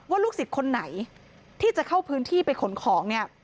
ลูกศิษย์คนไหนที่จะเข้าพื้นที่ไปขนของเนี่ย